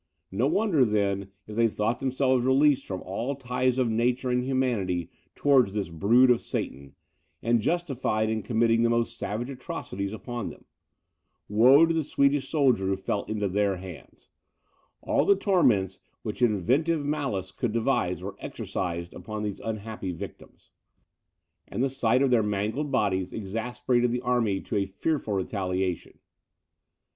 No wonder, then, if they thought themselves released from all the ties of nature and humanity towards this brood of Satan, and justified in committing the most savage atrocities upon them. Woe to the Swedish soldier who fell into their hands! All the torments which inventive malice could devise were exercised upon these unhappy victims; and the sight of their mangled bodies exasperated the army to a fearful retaliation.